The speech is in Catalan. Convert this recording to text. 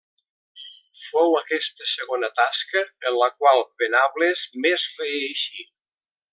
Fou aquesta segona tasca en la qual Venables més reeixí.